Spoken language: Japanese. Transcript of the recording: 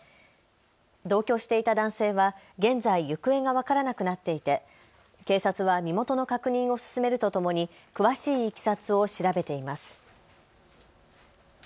同居していた男性は現在、行方が分からなくなっていて警察は身元の確認を進めるとともに詳しいいきさつを調べています。